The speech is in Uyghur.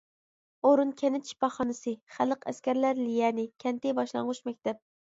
ئورۇن كەنت شىپاخانىسى، خەلق ئەسكەرلەر ليەنى، كەنتى باشلانغۇچ مەكتەپ.